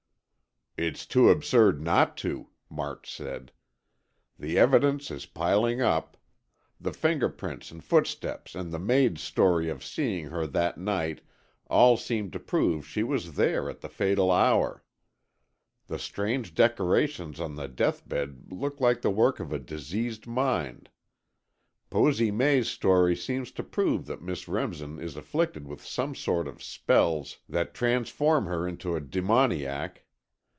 "It's too absurd not to," March said. "The evidence is piling up. The fingerprints and footsteps and the maid's story of seeing her that night all seem to prove she was there at the fatal hour. The strange decorations on the deathbed look like the work of a diseased mind. Posy May's story seems to prove that Miss Remsen is afflicted with some sort of spells that transform her into a demoniac.